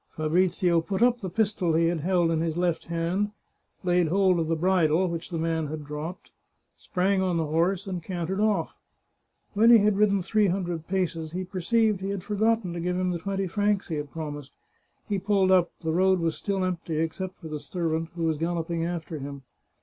Fabrizio put up the pistol he had held in his left hand, laid hold of the bridle, which the man had dropped, sprang on the horse, and cantered off. When he had ridden three hundred paces he perceived he had forgotten to give him the twenty francs he had promised. He pulled up; the road was still empty, except for the servant, who was galloping after him.